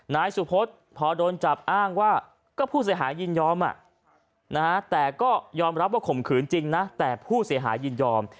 นายสุพธพอโดนจับอ้างว่าก็ผู้เสียหายยินยอมแต่ก็ยอมรับว่าข่มขืนจริงนะแต่ผู้เสียหายยินยอม